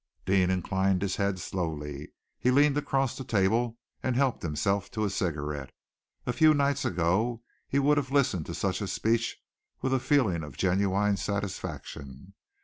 Deane inclined his head slowly. He leaned across the table, and helped himself to a cigarette. A few nights ago he could have listened to such a speech with a feeling of genuine satisfaction.